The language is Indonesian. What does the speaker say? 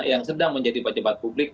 yang sedang menjadi pejabat publik